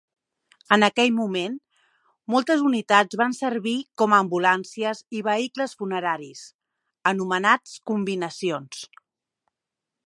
En aquell moment, moltes unitats van servir com a ambulàncies i vehicles funeraris, anomenats combinacions.